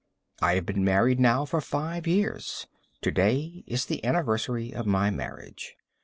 I have been married now for five years. To day is the anniversary of my marriage.